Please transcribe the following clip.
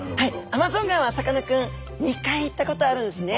アマゾン川はさかなクン２回行ったことあるんですね。